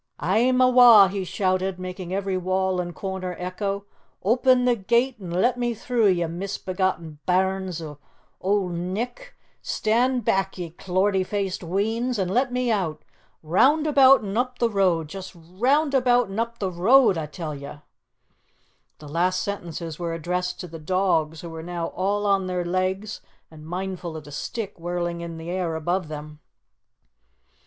"A'm awa'!" he shouted, making every wall and corner echo. "Open the gate an' let me through, ye misbegotten bairns o' Auld Nick! Stand back, ye clortie faced weans, an' let me out! Round about an' up the road! Just round about an' up the road, a' tell ye!" The last sentences were addressed to the dogs who were now all on their legs and mindful of the stick whirling in the air above them.